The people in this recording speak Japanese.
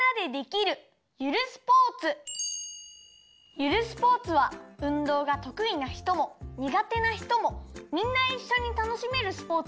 ゆるスポーツはうんどうがとくいなひともにがてなひともみんないっしょにたのしめるスポーツだよ。